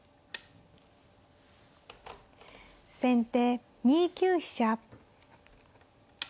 先手２九飛車。